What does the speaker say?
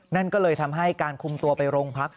นั่นก็เลยทำให้การคุมตัวไปโรงพัก